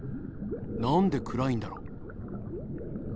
何で暗いんだろう。